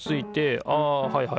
あはいはいはい。